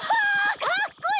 かっこいい！